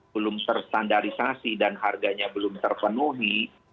belum terstandarisasi dan harganya belum terpenuhi